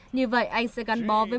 như vậy anh sẽ gắn bó với